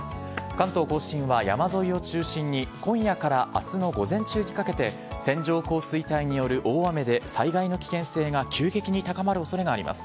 関東甲信は山沿いを中心に、今夜からあすの午前中にかけて、線状降水帯による大雨で災害の危険性が急激に高まるおそれがあります。